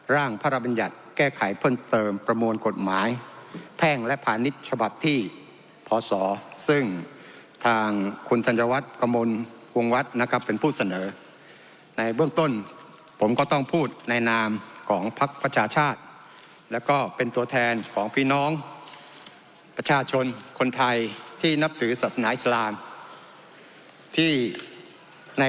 ร่างพระราชบัญญัติแก้ไขเพิ่มเติมประมวลกฎหมายแพ่งและพาณิชย์ฉบับที่พศซึ่งทางคุณธัญวัฒน์กระมวลวงวัดนะครับเป็นผู้เสนอในเบื้องต้นผมก็ต้องพูดในนามของพักประชาชาติแล้วก็เป็นตัวแทนของพี่น้องประชาชนคนไทยที่นับถือศาสนาอิสลามที่ใน